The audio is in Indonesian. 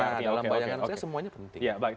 nah dalam bayangan saya semuanya penting